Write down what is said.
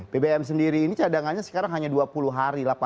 bbm sendiri ini cadangannya sekarang hanya dua puluh hari